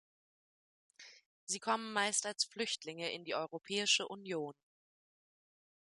Sie kommen meist als Flüchtlinge in die Europäische Union.